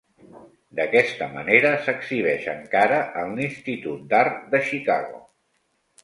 D'aquesta manera s'exhibeix encara en l'Institut d'Art de Chicago.